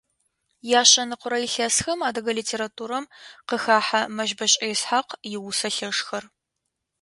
Яшъэныкъорэ илъэсхэм адыгэ литературэм къыхахьэ Мэщбэшӏэ Исхьакъ иусэ лъэшхэр.